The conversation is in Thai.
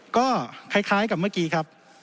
ก็คล้ายกับเมื่อกี้ครับ